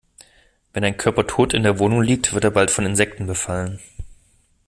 Wenn ein Körper tot in der Wohnung liegt, wird er bald von Insekten befallen.